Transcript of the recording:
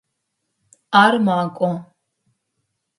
Ар макӏо.